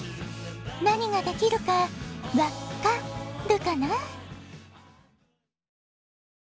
なにができるか「わっか」るかな？